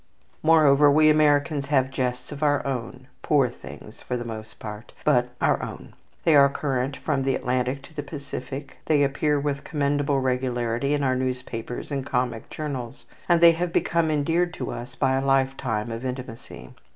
Moreover, we Americans have jests of our own, poor things for the most part, but our own. They are current from the Atlantic to the Pacific, they appear with commendable regularity in our newspapers and comic journals, and they have become endeared to us by a lifetime of intimacy.